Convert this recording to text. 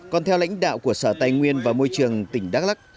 còn theo lãnh đạo của sở tài nguyên và môi trường tỉnh đắk lắc